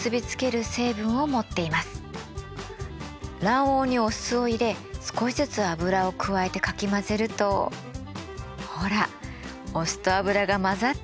卵黄にお酢を入れ少しずつ油を加えてかき混ぜるとほらお酢と油が混ざっていくでしょ。